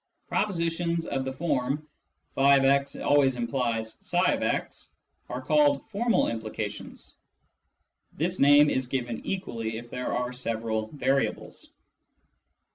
Propositions of the form " <f>x always implies tfix " are called " formal implications "; this name is given equally if there are several variables.